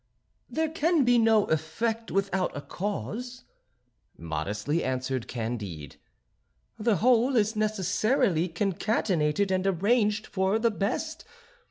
"There can be no effect without a cause," modestly answered Candide; "the whole is necessarily concatenated and arranged for the best.